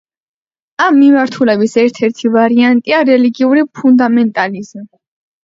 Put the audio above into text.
ამ მიმართულების ერთ-ერთი ვარიანტია რელიგიური ფუნდამენტალიზმი.